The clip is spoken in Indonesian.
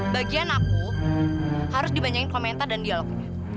bagian aku harus dibanyain komentar dan dialognya